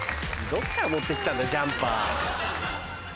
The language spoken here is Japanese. どっから持って来たんだジャンパー。